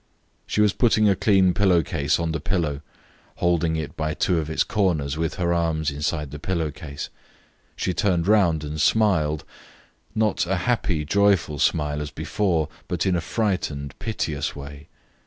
She was putting a clean pillow case on the pillow, holding it by two of its corners with her arms inside the pillow case. She turned round and smiled, not a happy, joyful smile as before, but in a frightened, piteous way.